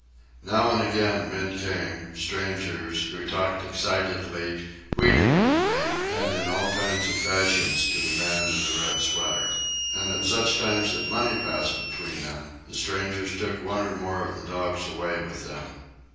Now and again men came, strangers, who talked excitedly, wheedlingly, and in all kinds of fashions to the man in the red sweater. And at such times that money passed between them the strangers took one or more of the dogs away with them.